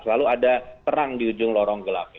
selalu ada terang di ujung lorong gelap